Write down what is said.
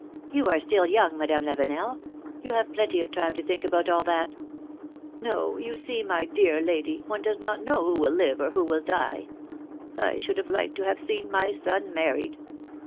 ^^You are still young, Madame Lavenel; you have plenty of time to think about all that." Yo ; you see, my dear lady, one does not know who will live, or who will die ! I should have liked to have seen my son married.